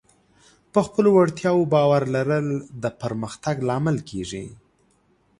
په خپلو وړتیاوو باور لرل د پرمختګ لامل کېږي.